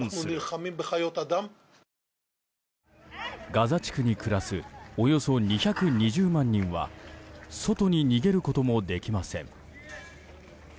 ガザ地区に暮らすおよそ２２０万人は外に逃げることもできません。